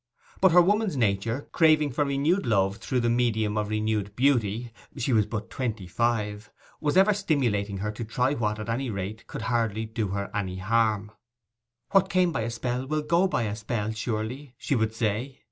But her woman's nature, craving for renewed love, through the medium of renewed beauty (she was but twenty five), was ever stimulating her to try what, at any rate, could hardly do her any harm. 'What came by a spell will go by a spell surely,' she would say.